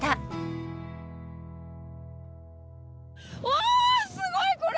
わあすごいこれ。